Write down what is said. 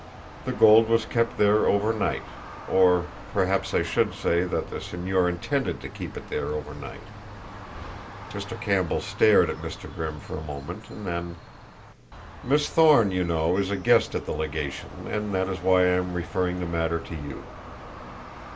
The gold was kept there over night; or perhaps I should say that the señor intended to keep it there over night." Mr. Campbell stared at Mr. Grimm for a moment, then: "Miss Thorne, you know, is a guest at the legation, that is why I am referring the matter to you."